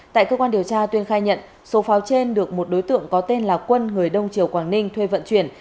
tại cơ quan điều tra tuyên khai nhận số pháo trên được một đối tượng có tên là quân người đông triều quảng ninh thuê vận chuyển